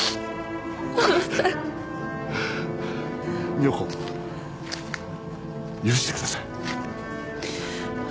美代子許してください。